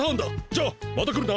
じゃあまたくるな！